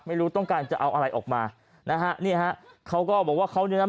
ไม่รู้ต้องการจะเอาอะไรออกมานะฮะนี่ฮะเขาก็บอกว่าเขาเนี่ยนะ